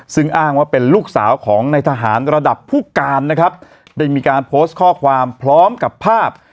ซึ่งอ้างว่าเป็นลูกสาวของในทหารระดับผู้การนะครับได้มีการโพสต์ข้อความพร้อมกับภาพ